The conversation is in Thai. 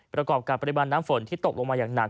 ประกอบกับปริมาณน้ำฝนที่ตกลงมาอย่างหนัก